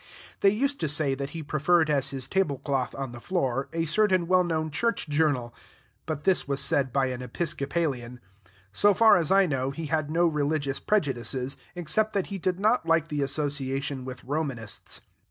They used to say that he preferred as his table cloth on the floor a certain well known church journal; but this was said by an Episcopalian. So far as I know, he had no religious prejudices, except that he did not like the association with Romanists.